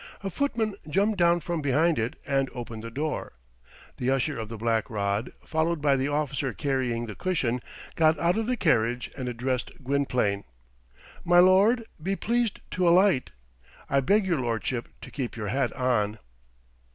A footman jumped down from behind it and opened the door. The Usher of the Black Rod, followed by the officer carrying the cushion, got out of the carriage, and addressed Gwynplaine. "My lord, be pleased to alight. I beg your lordship to keep your hat on."